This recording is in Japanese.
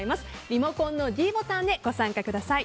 リモコンのｄボタンでご参加ください。